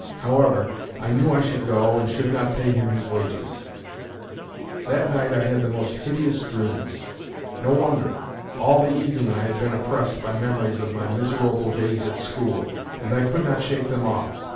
However, I knew I should go and should not pay him his wages. That night I had the most hideous dreams. No wonder; all the evening I had been oppressed by memories of my miserable days at school, and I could not shake them off.